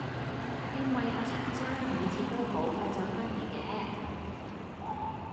因為阿陳生每次都好快就返嚟嘅